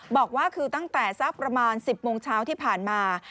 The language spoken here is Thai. บอกว่าคือตั้งแต่สักประมาณ๑๐โมงเช้าที่ผ่านมา